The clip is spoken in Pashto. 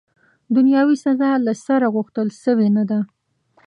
دنیاوي سزا، له سره، غوښتل سوې نه ده.